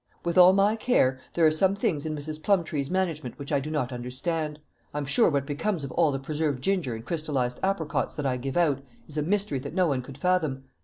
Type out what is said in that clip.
With all my care, there are some things in Mrs. Plumptree's management which I do not understand. I'm sure what becomes of all the preserved ginger and crystallized apricots that I give out, is a mystery that no one could fathom.